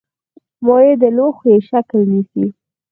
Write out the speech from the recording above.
مایع د لوښي شکل نیسي.